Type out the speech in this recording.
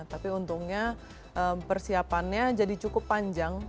tapi untungnya persiapannya jadi cukup panjang